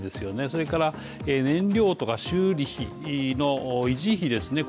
それから燃料とか修理の維持費ですね。